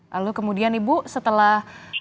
lalu kemudian ibu setelah